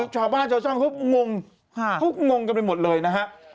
จ้างคุกงงกันไปหมดเลยนะครับ